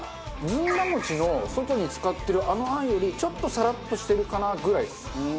ずんだ餅の外に使ってるあの餡よりちょっとサラッとしてるかなぐらいです。